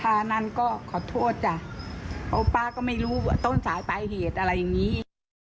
อันนั้นก็ขอโทษจ้ะเพราะป้าก็ไม่รู้ต้นสายปลายเหตุอะไรอย่างนี้